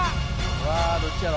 うわどっちやろ？